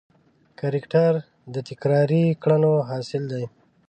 کرکټر د تکراري کړنو حاصل دی.